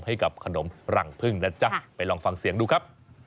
ให้กับขนมรังพึ่งนะจ๊ะไปลองฟังเสียงดูครับ